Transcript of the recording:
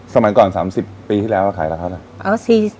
สมัยก่อน๓๐ปีที่แล้วว่าขายราคาเท่าไหร่